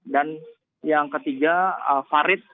dan yang ketiga farid